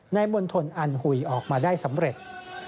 มณฑลอันหุยออกมาได้สำเร็จ